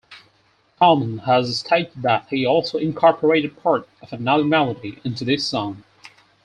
Carmen has stated that he also incorporated part of another melody into this song.